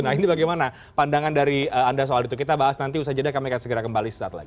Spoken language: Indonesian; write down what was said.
nah ini bagaimana pandangan dari anda soal itu kita bahas nanti usaha jeda kami akan segera kembali sesaat lagi